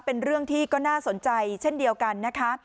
เป็นเรื่องที่ก็น่าสนใจเช่นเดียวกันนะคะ